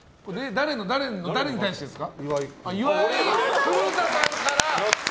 誰に対してですか？